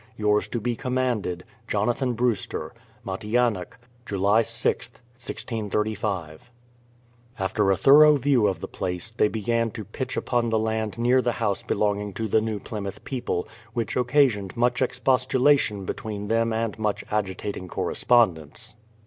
Yours to be commanded, Matianuck, July 6th, 1635. JONATHAN BREWSTER. THE PLYMOUTH SETTLEMENT 273 After a thorough view of the place, they began to pitch upon the land near the house belonging to the New Plymouth people, which occasioned much expostulation be tween them and much agitating correspondence.